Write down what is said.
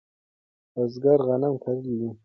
بزګرو غنم کرلی و.